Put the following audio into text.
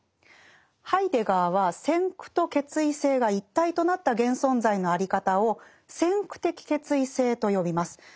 ハイデガーは先駆と決意性が一体となった現存在のあり方を「先駆的決意性」と呼びます。